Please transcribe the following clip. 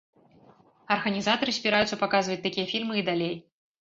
Арганізатары збіраюцца паказваць такія фільмы і далей.